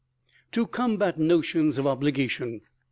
To combat notions of obligation.